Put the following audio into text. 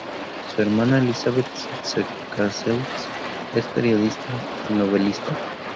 Su hermana Elizabeth Subercaseaux es periodista y novelista.